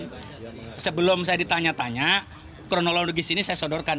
dan sebelum saya ditanya tanya kronologis ini saya sodorkan